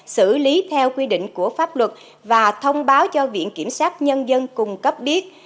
xử lý theo quy định của pháp luật và thông báo cho viện kiểm sát nhân dân cung cấp biết